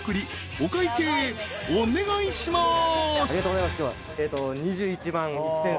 お会計お願いします］